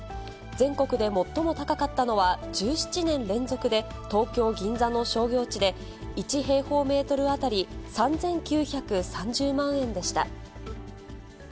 全国で最も高かったのは１７年連続で、東京・銀座の商業地で、１平方メートル当たり３９３０万円でした。